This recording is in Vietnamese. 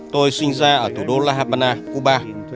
tôi sinh ra ở thủ đô la habana cuba